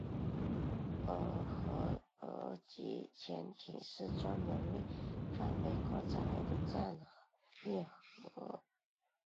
俄亥俄级潜艇是专门为范围扩展后的战略核威慑巡逻而设计的。